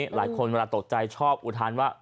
หลายคนเวลาตกใจชอบอุทานว่า